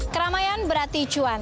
keramaian berarti cuan